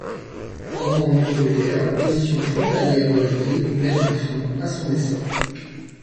Pendant l’Entre-deux-guerres, la position frontalière de la ville met un frein à son essor.